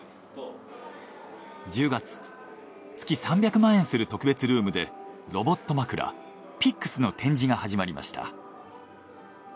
月３００万円する特別ルームでロボット枕ピックスの展示が始まりました。